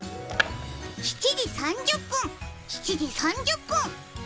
７時３０分、７時３０分。